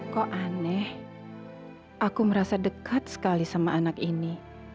kok aneh aku merasa dekat sekali sama anak ini